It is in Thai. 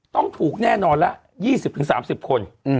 ต้องถูกแน่นอนละ๒๐๓๐คน